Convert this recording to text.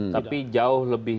tapi jauh lebih